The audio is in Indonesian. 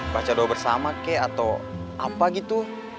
baca doa bersama kek atau apa gitu